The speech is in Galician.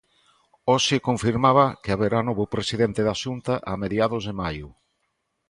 Hoxe confirmaba que haberá novo presidente da Xunta a mediados de maio.